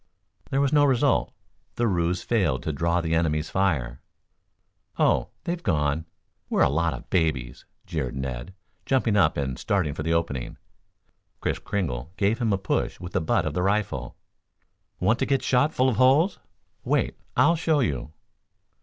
There was no result, The ruse failed to draw the enemy's fire. "Oh, they've gone. We're a lot of babies," jeered Ned, jumping up and starting for the opening. Kris Kringle gave him a push with the butt of the rifle. "Want, to get shot full of holes? Wait! I'll show you."